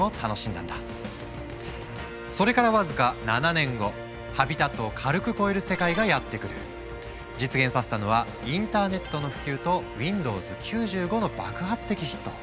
それから僅か７年後実現させたのはインターネットの普及とＷｉｎｄｏｗｓ９５の爆発的ヒット。